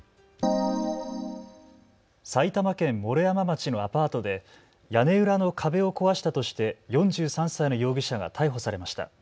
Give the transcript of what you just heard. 埼玉県毛呂山町のアパートで屋根裏の壁を壊したとして４３歳の容疑者が逮捕されました。